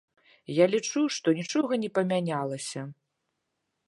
Я лічу, што нічога не памянялася.